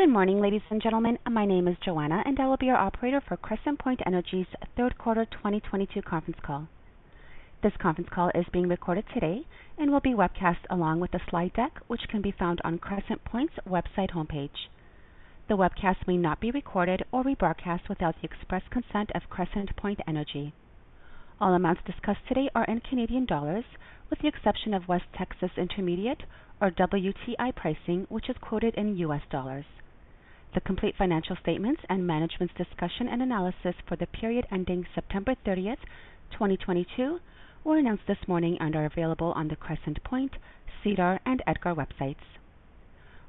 Good morning, ladies and gentlemen. My name is Joanna, and I will be your operator for Crescent Point's third quarter 2022 conference call. This conference call is being recorded today and will be webcast along with the slide deck, which can be found on Crescent Point's website homepage. The webcast may not be recorded or rebroadcast without the express consent of Crescent Point. All amounts discussed today are in Canadian dollars, with the exception of West Texas Intermediate or WTI pricing, which is quoted in US dollars. The complete financial statements and management's discussion and analysis for the period ending September 30th, 2022 were announced this morning and are available on the Crescent Point, SEDAR, and EDGAR websites.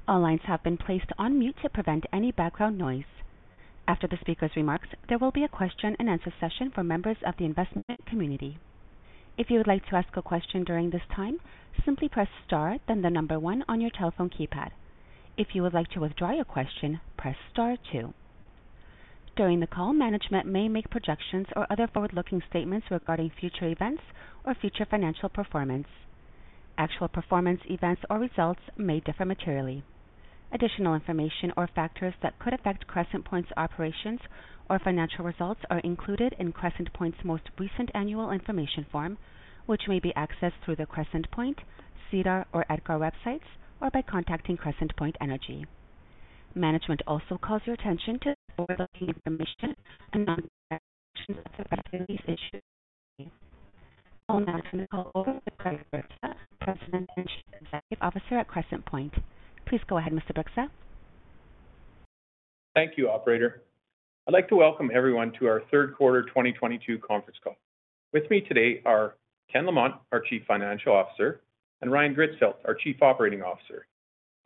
All lines have been placed on mute to prevent any background noise. After the speaker's remarks, there will be a question-and-answer session for members of the investment community. If you would like to ask a question during this time, simply press star then the number one on your telephone keypad. If you would like to withdraw your question, press star two. During the call, management may make projections or other forward-looking statements regarding future events or future financial performance. Actual performance events or results may differ materially. Additional information or factors that could affect Crescent Point operations or financial results are included in Crescent Point most recent annual information form, which may be accessed through the Crescent Point, SEDAR, or EDGAR websites, or by contacting Crescent Point. Management also calls your attention to the forward-looking information and non-IFRS measures release issued. I'll now turn the call over to Craig Bryksa, President and Chief Executive Officer at Crescent Point. Please go ahead, Mr. Bryksa. Thank you, operator. I'd like to welcome everyone to our third quarter 2022 conference call. With me today are Ken Lamont, our Chief Financial Officer, and Ryan Gritzfeldt, our Chief Operating Officer.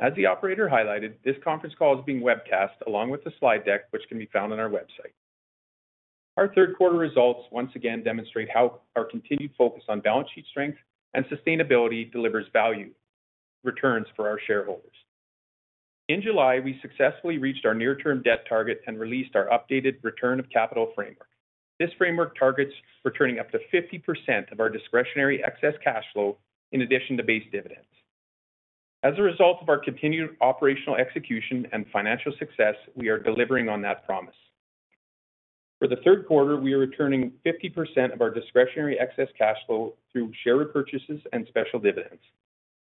As the operator highlighted, this conference call is being webcast along with the slide deck, which can be found on our website. Our third quarter results once again demonstrate how our continued focus on balance sheet strength and sustainability delivers value returns for our shareholders. In July, we successfully reached our near-term debt target and released our updated return of capital framework. This framework targets returning up to 50% of our discretionary excess cash flow in addition to base dividends. As a result of our continued operational execution and financial success, we are delivering on that promise. For the third quarter, we are returning 50% of our discretionary excess cash flow through share repurchases and special dividends.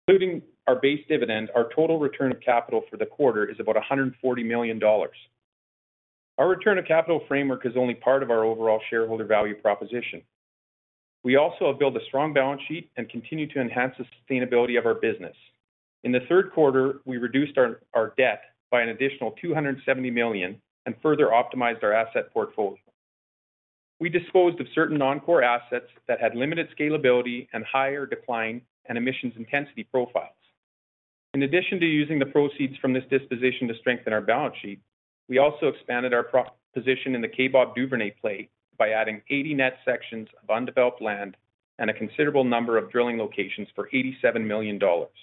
Including our base dividend, our total return of capital for the quarter is about 140 million dollars. Our return of capital framework is only part of our overall shareholder value proposition. We also have built a strong balance sheet and continue to enhance the sustainability of our business. In the third quarter, we reduced our debt by an additional 270 million and further optimized our asset portfolio. We disposed of certain non-core assets that had limited scalability and higher decline and emissions intensity profiles. In addition to using the proceeds from this disposition to strengthen our balance sheet, we also expanded our profit position in the Kaybob Duvernay play by adding 80 net sections of undeveloped land and a considerable number of drilling locations for 87 million dollars.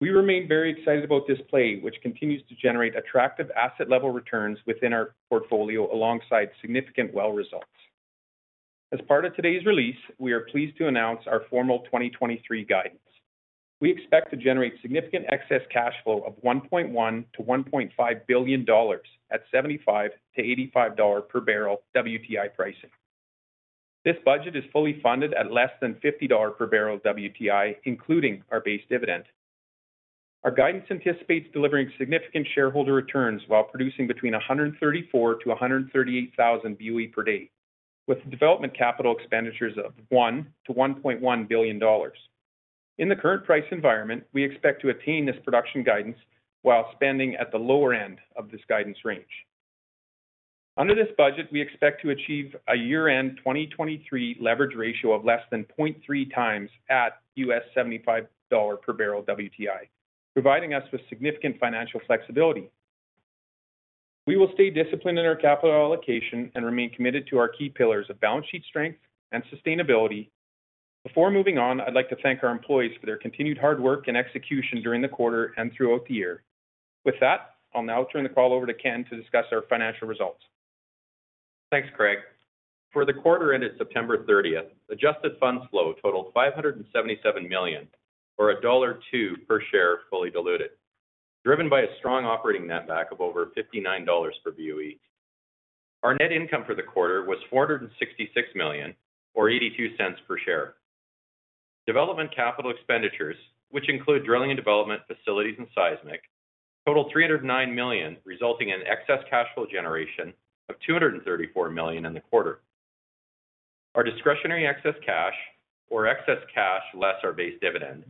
We remain very excited about this play, which continues to generate attractive asset level returns within our portfolio alongside significant well results. As part of today's release, we are pleased to announce our formal 2023 guidance. We expect to generate significant excess cash flow of 1.1 billion-1.5 billion dollars at $75-$85 per barrel WTI pricing. This budget is fully funded at less than $50 per barrel WTI, including our base dividend. Our guidance anticipates delivering significant shareholder returns while producing between 134,000 and 138,000 boe per day, with development capital expenditures of 1 billion-1.1 billion dollars. In the current price environment, we expect to attain this production guidance while spending at the lower end of this guidance range. Under this budget, we expect to achieve a year-end 2023 leverage ratio of less than 0.3x at $75 per barrel WTI, providing us with significant financial flexibility. We will stay disciplined in our capital allocation and remain committed to our key pillars of balance sheet strength and sustainability. Before moving on, I'd like to thank our employees for their continued hard work and execution during the quarter and throughout the year. With that, I'll now turn the call over to Ken to discuss our financial results. Thanks, Craig. For the quarter ended September thirtieth, adjusted funds flow totaled 577 million or dollar 1.02 per share, fully diluted, driven by a strong operating netback of over 59 dollars per boe. Our net income for the quarter was 466 million or 0.82 per share. Development capital expenditures, which include drilling and development facilities and seismic, totaled 309 million, resulting in excess cash flow generation of 234 million in the quarter. Our discretionary excess cash or excess cash less our base dividend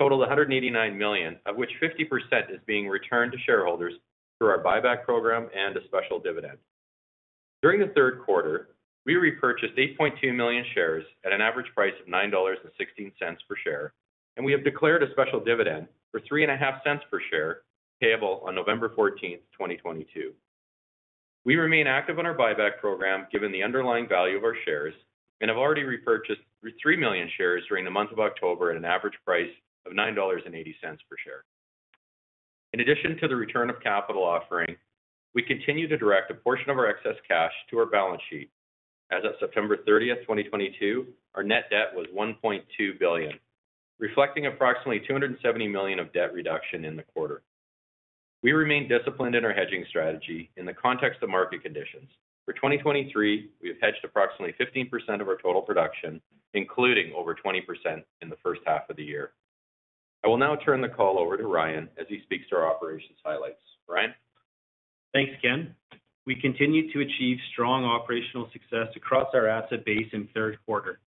totaled 189 million, of which 50% is being returned to shareholders through our buyback program and a special dividend. During the third quarter, we repurchased 8.2 million shares at an average price of 9.16 dollars per share, and we have declared a special dividend for 0.035 per share, payable on November fourteenth, 2022. We remain active on our buyback program given the underlying value of our shares and have already repurchased 3 million shares during the month of October at an average price of 9.80 dollars per share. In addition to the return of capital offering, we continue to direct a portion of our excess cash to our balance sheet. As of September 30th, 2022, our net debt was 1.2 billion, reflecting approximately 270 million of debt reduction in the quarter. We remain disciplined in our hedging strategy in the context of market conditions. For 2023, we have hedged approximately 15% of our total production, including over 20% in the first half of the year. I will now turn the call over to Ryan as he speaks to our operations highlights. Ryan? Thanks, Ken. We continued to achieve strong operational success across our asset base in third quarter.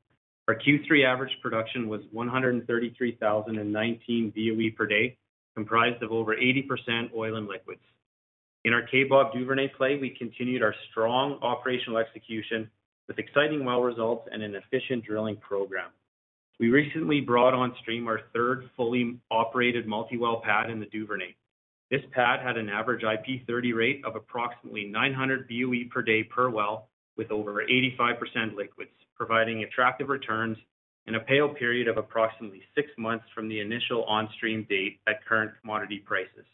Our Q3 average production was 133,019 boe per day, comprised of over 80% oil and liquids. In our Kaybob Duvernay play, we continued our strong operational execution with exciting well results and an efficient drilling program. We recently brought on stream our third fully operated multi-well pad in the Duvernay. This pad had an average IP30 rate of approximately 900 boe per day per well, with over 85% liquids, providing attractive returns in a payback period of approximately six months from the initial on-stream date at current commodity prices.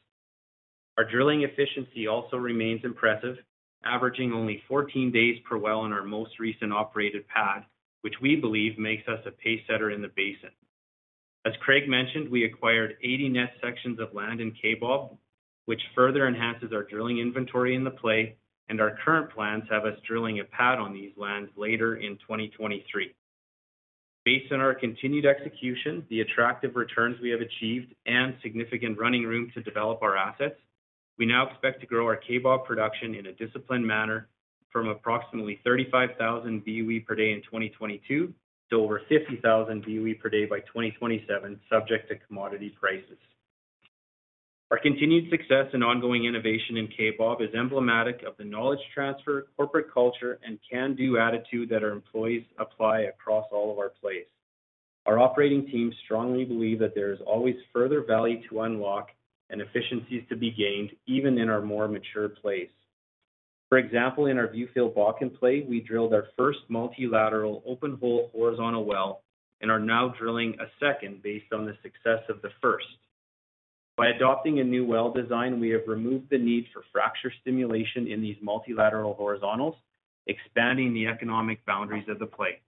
Our drilling efficiency also remains impressive, averaging only 14 days per well in our most recent operated pad, which we believe makes us a pace setter in the basin. As Craig mentioned, we acquired 80 net sections of land in Kaybob, which further enhances our drilling inventory in the play, and our current plans have us drilling a pad on these lands later in 2023. Based on our continued execution, the attractive returns we have achieved, and significant running room to develop our assets, we now expect to grow our Kaybob production in a disciplined manner from approximately 35,000 boe per day in 2022 to over 50,000 boe per day by 2027, subject to commodity prices. Our continued success and ongoing innovation in Kaybob is emblematic of the knowledge transfer, corporate culture, and can-do attitude that our employees apply across all of our plays. Our operating teams strongly believe that there is always further value to unlock and efficiencies to be gained even in our more mature plays. For example, in our Viewfield Bakken play, we drilled our first multilateral open-hole horizontal well and are now drilling a second based on the success of the first. By adopting a new well design, we have removed the need for fracture stimulation in these multilateral horizontals, expanding the economic boundaries of the play.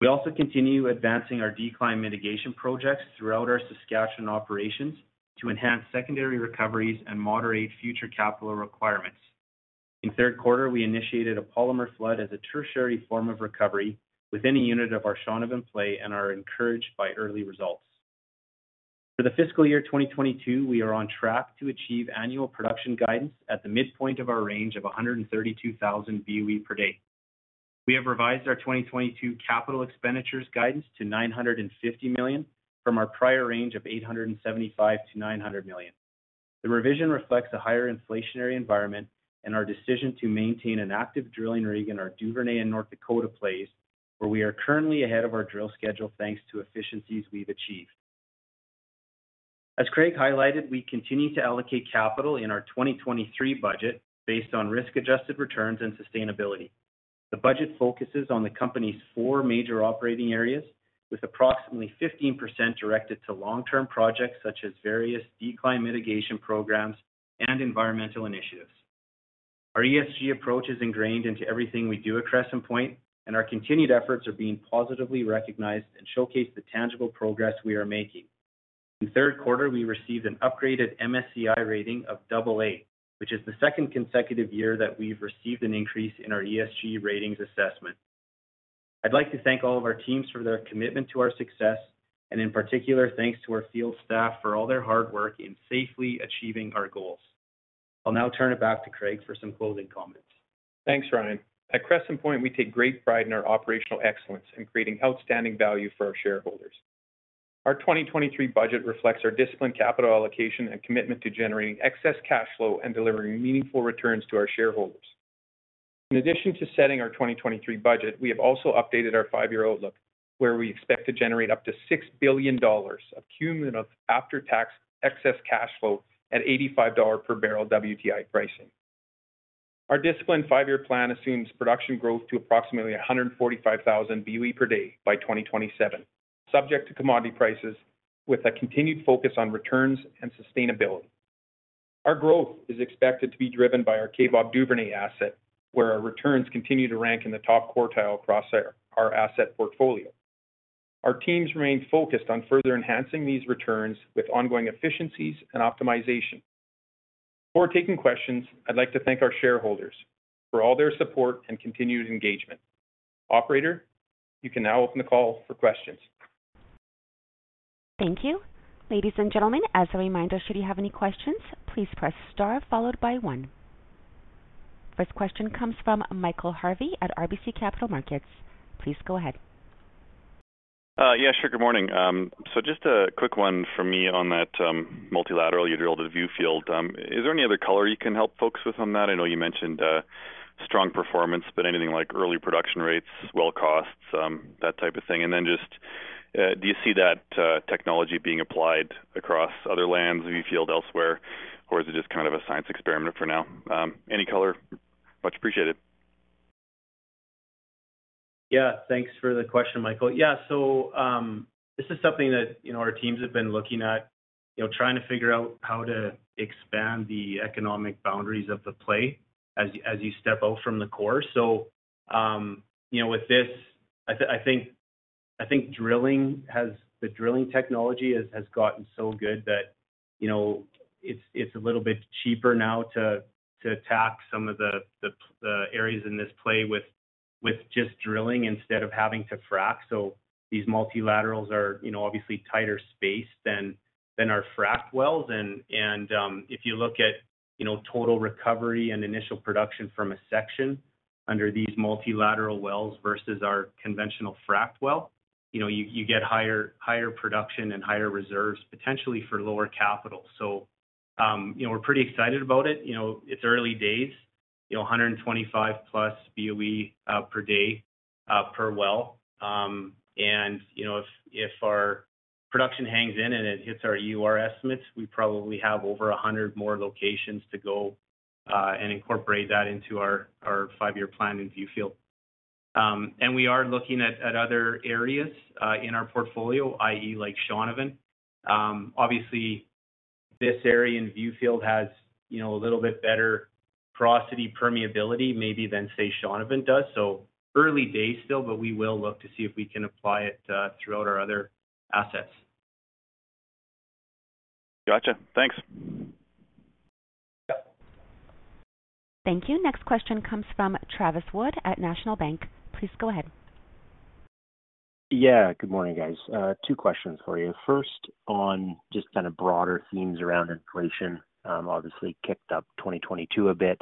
We also continue advancing our decline mitigation projects throughout our Saskatchewan operations to enhance secondary recoveries and moderate future capital requirements. In third quarter, we initiated a polymer flood as a tertiary form of recovery within a unit of our Shaunavon play and are encouraged by early results. For the fiscal year 2022, we are on track to achieve annual production guidance at the midpoint of our range of 132,000 boe per day. We have revised our 2022 capital expenditures guidance to 950 million from our prior range of 875 million-900 million. The revision reflects a higher inflationary environment and our decision to maintain an active drilling rig in our Duvernay and North Dakota plays, where we are currently ahead of our drill schedule thanks to efficiencies we've achieved. As Craig highlighted, we continue to allocate capital in our 2023 budget based on risk-adjusted returns and sustainability. The budget focuses on the company's four major operating areas, with approximately 15% directed to long-term projects such as various decline mitigation programs and environmental initiatives. Our ESG approach is ingrained into everything we do at Crescent Point, and our continued efforts are being positively recognized and showcase the tangible progress we are making. In third quarter, we received an upgraded MSCI rating of 'AA', which is the second consecutive year that we've received an increase in our ESG Ratings assessment. I'd like to thank all of our teams for their commitment to our success, and in particular, thanks to our field staff for all their hard work in safely achieving our goals. I'll now turn it back to Craig for some closing comments. Thanks, Ryan. At Crescent Point, we take great pride in our operational excellence in creating outstanding value for our shareholders. Our 2023 budget reflects our disciplined capital allocation and commitment to generating excess cash flow and delivering meaningful returns to our shareholders. In addition to setting our 2023 budget, we have also updated our five-year outlook, where we expect to generate up to 6 billion dollars of cumulative after-tax excess cash flow at $85 per barrel WTI pricing. Our disciplined five-year plan assumes production growth to approximately 145,000 boe per day by 2027, subject to commodity prices with a continued focus on returns and sustainability. Our growth is expected to be driven by our Kaybob Duvernay asset, where our returns continue to rank in the top quartile across our asset portfolio. Our teams remain focused on further enhancing these returns with ongoing efficiencies and optimization. Before taking questions, I'd like to thank our shareholders for all their support and continued engagement. Operator, you can now open the call for questions. Thank you. Ladies and gentlemen, as a reminder, should you have any questions, please press star followed by one. First question comes from Michael Harvey at RBC Capital Markets. Please go ahead. Yeah, sure. Good morning. So just a quick one for me on that, multilateral you drilled at Viewfield. Is there any other color you can help folks with on that? I know you mentioned strong performance, but anything like early production rates, well costs, that type of thing. Just, do you see that technology being applied across other lands, Viewfield elsewhere, or is it just kind of a science experiment for now? Any color, much appreciated. Yeah. Thanks for the question, Michael. Yeah. This is something that, you know, our teams have been looking at, you know, trying to figure out how to expand the economic boundaries of the play as you step out from the core. With this, I think the drilling technology has gotten so good that, you know, it's a little bit cheaper now to attack some of the areas in this play with just drilling instead of having to frack. These multilaterals are, you know, obviously tighter spaced than our fracked wells. If you look at, you know, total recovery and initial production from a section under these multilateral wells versus our conventional fracked well, you know, you get higher production and higher reserves, potentially for lower capital. You know, we're pretty excited about it. You know, it's early days. You know, 125+ boe per day per well. You know, if our production hangs in and it hits our EUR estimates, we probably have over 100 more locations to go and incorporate that into our five-year plan in Viewfield. We are looking at other areas in our portfolio, i.e. like Shaunavon. Obviously this area in Viewfield has, you know, a little bit better porosity permeability maybe than, say, Shaunavon does. Early days still, but we will look to see if we can apply it throughout our other assets. Gotcha. Thanks. Thank you. Next question comes from Travis Wood at National Bank. Please go ahead. Yeah. Good morning, guys. Two questions for you. First, on just kind of broader themes around inflation, obviously kicked up 2022 a bit.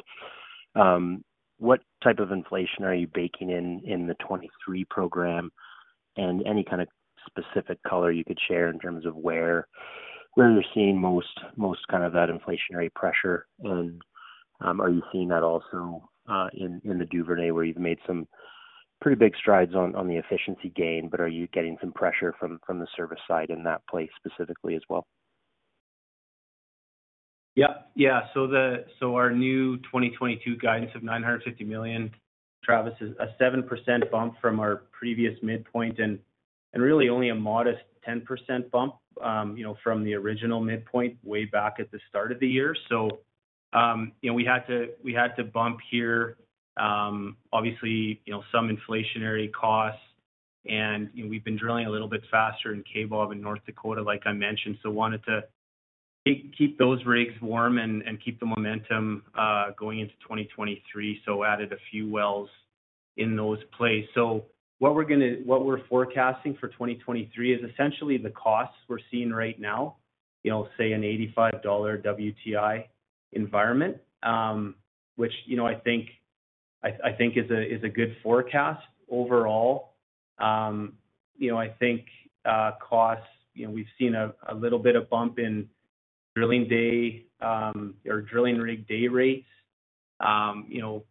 What type of inflation are you baking in the 2023 program? And any kind of specific color you could share in terms of where you're seeing most kind of that inflationary pressure? Are you seeing that also, in the Duvernay, where you've made some pretty big strides on the efficiency gain, but are you getting some pressure from the service side in that place specifically as well? Our new 2022 guidance of 950 million, Travis, is a 7% bump from our previous midpoint and really only a modest 10% bump, you know, from the original midpoint way back at the start of the year. We had to bump here, obviously, you know, some inflationary costs. You know, we've been drilling a little bit faster in Kaybob in North Dakota, like I mentioned. Wanted to keep those rigs warm and keep the momentum going into 2023, so added a few wells in those plays. What we're forecasting for 2023 is essentially the costs we're seeing right now. You know, say an $85 WTI environment, which, you know, I think is a good forecast overall. You know, I think costs, you know, we've seen a little bit of bump in drilling day or drilling rig day rates. You know,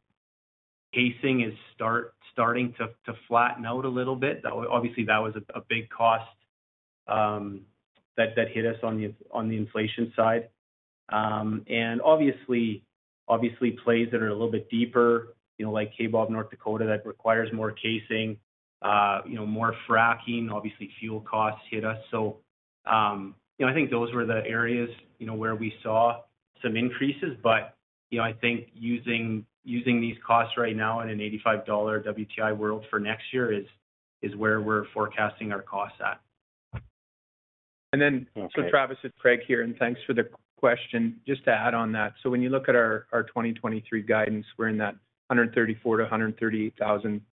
casing is starting to flatten out a little bit. Obviously, that was a big cost that hit us on the inflation side. Obviously plays that are a little bit deeper, you know, like Kaybob, North Dakota, that requires more casing, you know, more fracking. Obviously, fuel costs hit us. You know, I think those were the areas, you know, where we saw some increases. You know, I think using these costs right now in an $85 WTI world for next year is where we're forecasting our costs at. And then- Okay. Travis, it's Craig here, and thanks for the question. Just to add on that, when you look at our 2023 guidance, we're in that 134,000-138,000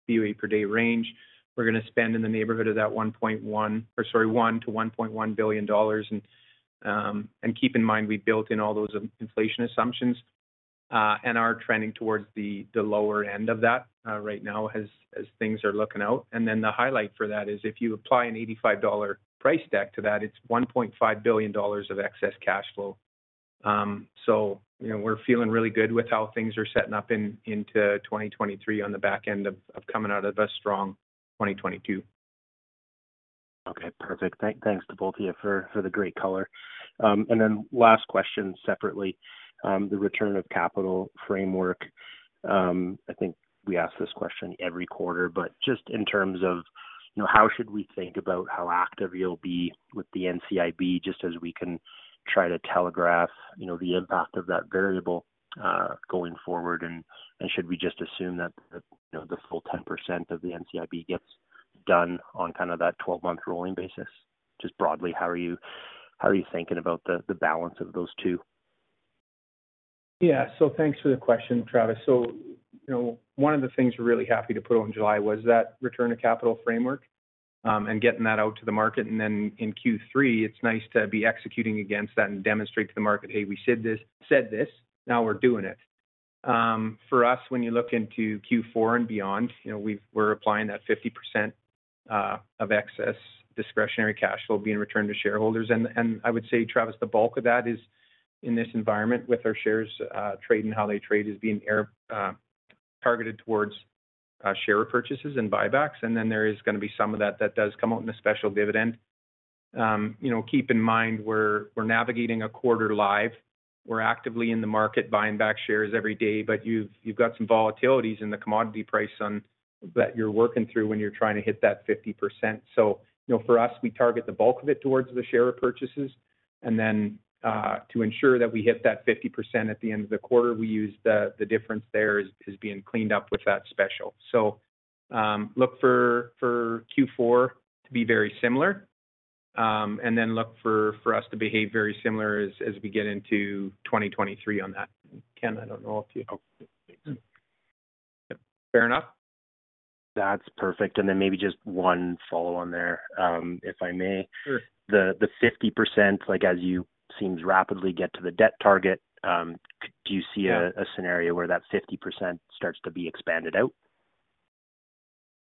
boe per day range. We're gonna spend in the neighborhood of that 1 billion-1.1 billion dollars. Keep in mind, we built in all those inflation assumptions, and are trending towards the lower end of that, right now as things are looking out. Then the highlight for that is if you apply an $85 price deck to that, it's 1.5 billion dollars of excess cash flow. You know, we're feeling really good with how things are setting up into 2023 on the back end of coming out of a strong 2022. Okay. Perfect. Thanks to both of you for the great color. Last question separately, the return of capital framework, I think we ask this question every quarter. Just in terms of, you know, how should we think about how active you'll be with the NCIB, just as we can try to telegraph, you know, the impact of that variable, going forward. Should we just assume that the, you know, the full 10% of the NCIB gets done on kind of that 12-month rolling basis? Just broadly, how are you thinking about the balance of those two? Yeah. Thanks for the question, Travis. You know, one of the things we're really happy to put out in July was that return of capital framework, and getting that out to the market. Then in Q3, it's nice to be executing against that and demonstrate to the market, "Hey, we said this, now we're doing it." For us, when you look into Q4 and beyond, you know, we're applying that 50% of excess discretionary cash flow being returned to shareholders. I would say, Travis, the bulk of that is in this environment with our shares trading how they trade is being targeted towards share purchases and buybacks. There is gonna be some of that that does come out in a special dividend. You know, keep in mind, we're navigating a quarter live. We're actively in the market buying back shares every day, but you've got some volatilities in the commodity price that you're working through when you're trying to hit that 50%. You know, for us, we target the bulk of it towards the share purchases. To ensure that we hit that 50% at the end of the quarter, we use the difference there is being cleaned up with that special. Look for Q4 to be very similar. Look for us to behave very similar as we get into 2023 on that. Ken, I don't know if you. Oh, thanks. Fair enough? That's perfect. Maybe just one follow on there, if I may. Sure. The 50%, like, as you seem to rapidly get to the debt target, do you see a scenario where that 50% starts to be expanded out?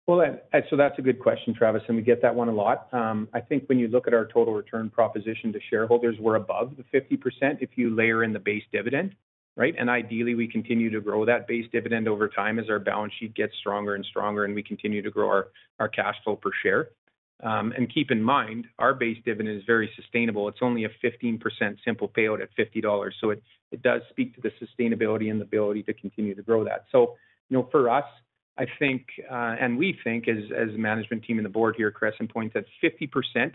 Well, that's a good question, Travis, and we get that one a lot. I think when you look at our total return proposition to shareholders, we're above the 50% if you layer in the base dividend, right? Ideally, we continue to grow that base dividend over time as our balance sheet gets stronger and stronger, and we continue to grow our cash flow per share. Keep in mind, our base dividend is very sustainable. It's only a 15% simple payout at $50. So it does speak to the sustainability and the ability to continue to grow that. For us, I think, and we think as a management team and the board here at Crescent Point, that 50%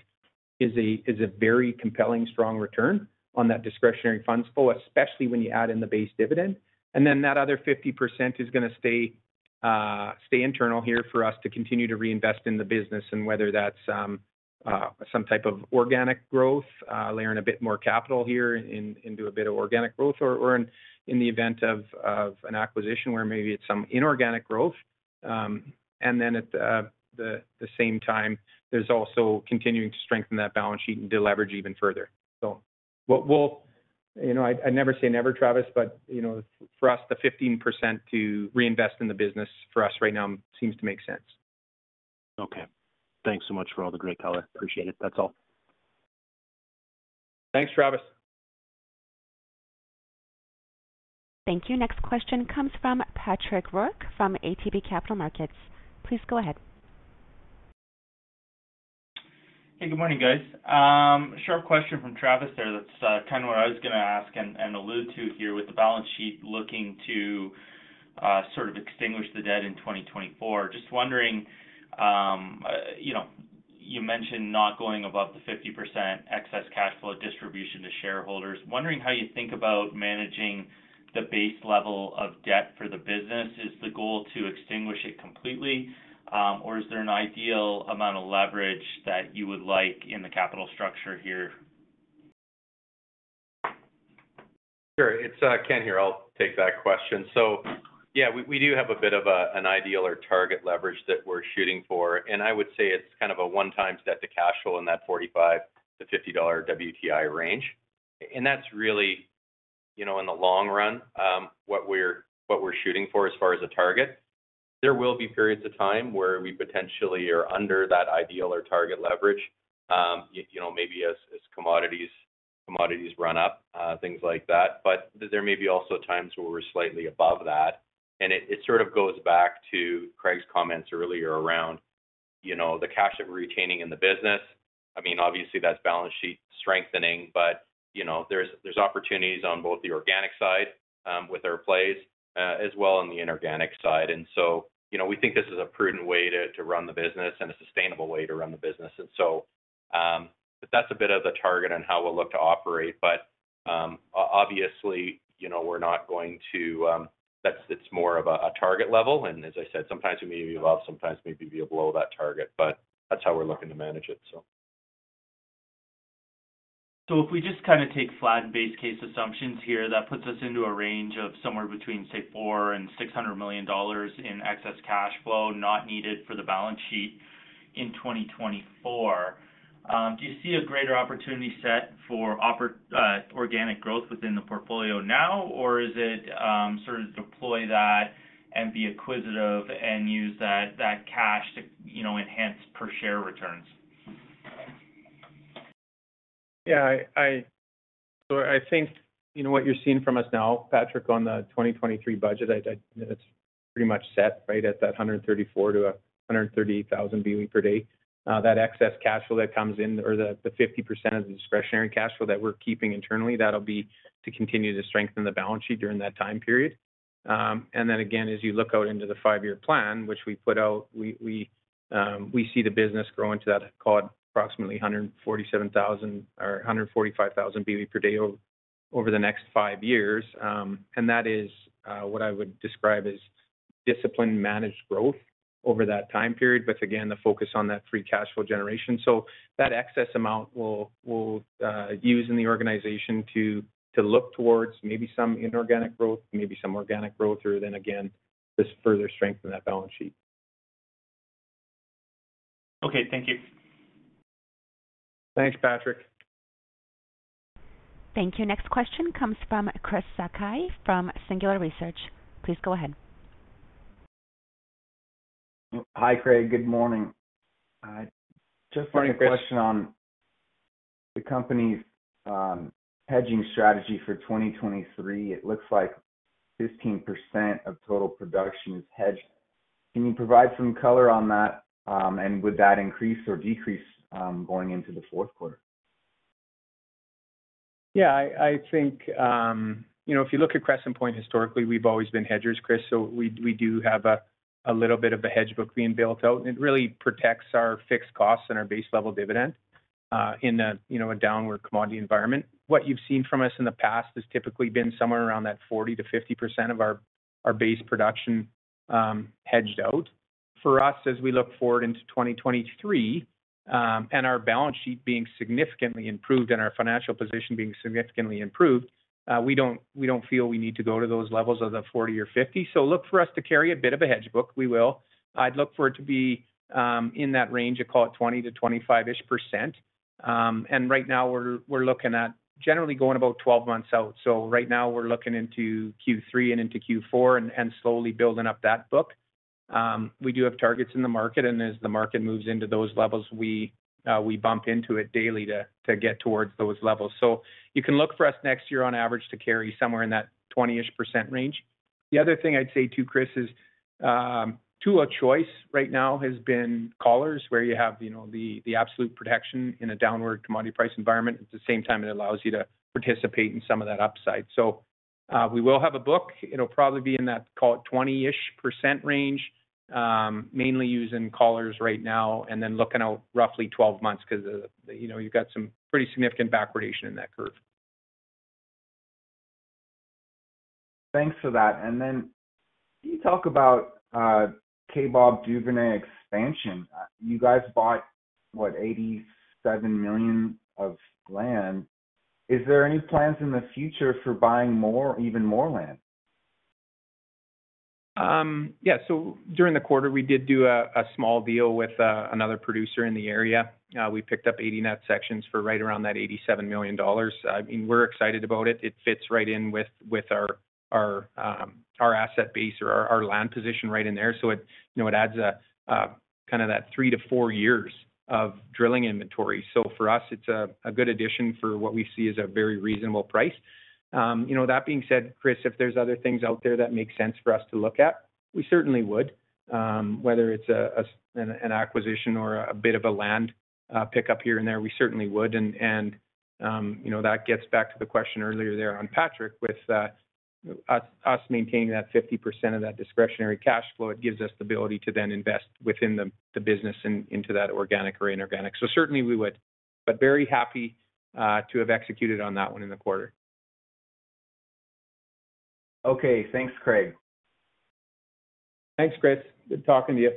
is a very compelling, strong return on that discretionary funds flow, especially when you add in the base dividend. Then that other 50% is gonna stay internal here for us to continue to reinvest in the business. Whether that's some type of organic growth, layer in a bit more capital here into a bit of organic growth or in the event of an acquisition where maybe it's some inorganic growth. Then at the same time, there's also continuing to strengthen that balance sheet and deleverage even further. You know, I never say never Travis, but you know, for us the 15% to reinvest in the business for us right now seems to make sense. Okay. Thanks so much for all the great color. Appreciate it. That's all. Thanks, Travis. Thank you. Next question comes from Patrick O'Rourke from ATB Capital Markets. Please go ahead. Hey, good morning, guys. Short question from Travis there. That's kinda what I was gonna ask and allude to here with the balance sheet looking to sort of extinguish the debt in 2024. Just wondering, you know, you mentioned not going above the 50% excess cash flow distribution to shareholders. Wondering how you think about managing the base level of debt for the business. Is the goal to extinguish it completely, or is there an ideal amount of leverage that you would like in the capital structure here? Sure. It's Ken here. I'll take that question. Yeah, we do have an ideal or target leverage that we're shooting for, and I would say it's kind of a 1x debt to cash flow in that $45-$50 WTI range. That's really, you know, in the long run, what we're shooting for as far as a target. There will be periods of time where we potentially are under that ideal or target leverage, you know, maybe as commodities run up, things like that. There may be also times where we're slightly above that. It sort of goes back to Craig's comments earlier around, you know, the cash that we're retaining in the business. I mean, obviously that's balance sheet strengthening, but you know, there's opportunities on both the organic side, with our plays, as well on the inorganic side. You know, we think this is a prudent way to run the business and a sustainable way to run the business. That's a bit of the target on how we'll look to operate. Obviously, you know, we're not going to. It's more of a target level. As I said, sometimes we may be above, sometimes may be below that target, but that's how we're looking to manage it. If we just kinda take flat base case assumptions here, that puts us into a range of somewhere between, say, 400 million-600 million dollars in excess cash flow not needed for the balance sheet in 2024. Do you see a greater opportunity set for organic growth within the portfolio now, or is it sort of deploy that and be acquisitive and use that cash to, you know, enhance per share returns? I think, you know, what you're seeing from us now, Patrick, on the 2023 budget, it's pretty much set, right, at that 134,000-138,000 boe per day. That excess cash flow that comes in or the 50% of the discretionary cash flow that we're keeping internally, that'll be to continue to strengthen the balance sheet during that time period. Again, as you look out into the five-year plan, which we put out, we see the business grow into that approximately 147,000 or 145,000 boe per day over the next five years. That is what I would describe as disciplined managed growth over that time period. Again, the focus on that free cash flow generation. That excess amount we'll use in the organization to look towards maybe some inorganic growth, maybe some organic growth, or then again, just further strengthen that balance sheet. Okay. Thank you. Thanks, Patrick. Thank you. Next question comes from Christopher Sakai from Singular Research. Please go ahead. Hi, Craig. Good morning. I just have a question on the company's hedging strategy for 2023. It looks like 15% of total production is hedged. Can you provide some color on that? Would that increase or decrease going into the fourth quarter? Yeah, I think, you know, if you look at Crescent Point historically, we've always been hedgers, Chris. We do have a little bit of a hedge book being built out, and it really protects our fixed costs and our base level dividend, in a you know a downward commodity environment. What you've seen from us in the past has typically been somewhere around that 40%-50% of our base production, hedged out. For us, as we look forward into 2023, and our balance sheet being significantly improved and our financial position being significantly improved, we don't feel we need to go to those levels of the 40 or 50. Look for us to carry a bit of a hedge book. We will. I'd look for it to be in that range of, call it, 20%-25%. Right now we're looking at generally going about 12 months out. Right now we're looking into Q3 and into Q4 and slowly building up that book. We do have targets in the market, and as the market moves into those levels, we bump into it daily to get towards those levels. You can look for us next year on average to carry somewhere in that 20% range. The other thing I'd say too, Chris, is our choice right now has been collars where you have, you know, the absolute protection in a downward commodity price environment. At the same time, it allows you to participate in some of that upside. We will have a book. It'll probably be in that, call it, 20-ish% range, mainly using collars right now and then looking out roughly 12 months 'cause, you know, you've got some pretty significant backwardation in that curve. Thanks for that. Can you talk about Kaybob Duvernay expansion? You guys bought, what? 87 million of land. Is there any plans in the future for buying more, even more land? During the quarter, we did a small deal with another producer in the area. We picked up 80 net sections for right around 87 million dollars. I mean, we're excited about it. It fits right in with our asset base or our land position right in there. You know, it adds a kind of 3-4 years of drilling inventory. For us, it's a good addition for what we see as a very reasonable price. You know, that being said, Chris, if there's other things out there that make sense for us to look at, we certainly would. Whether it's an acquisition or a bit of a land pickup here and there, we certainly would. you know, that gets back to the question earlier there on Patrick with us maintaining that 50% of that discretionary cash flow. It gives us the ability to then invest within the business and into that organic or inorganic. Certainly we would. Very happy to have executed on that one in the quarter. Okay. Thanks, Craig. Thanks, Chris. Good talking to you.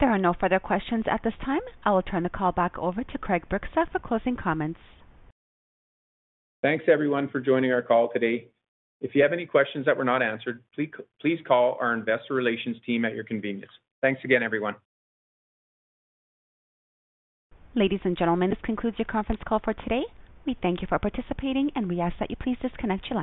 There are no further questions at this time. I will turn the call back over to Craig Bryksa for closing comments. Thanks everyone for joining our call today. If you have any questions that were not answered, please call our investor relations team at your convenience. Thanks again, everyone. Ladies and gentlemen, this concludes your conference call for today. We thank you for participating, and we ask that you please disconnect your lines.